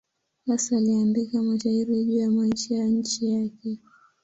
Hasa aliandika mashairi juu ya maisha ya nchi yake.